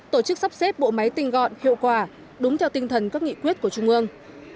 tổ chức sắp xếp bộ máy tinh gọn hiệu quả đúng theo tinh thần các nghị quyết của trung ương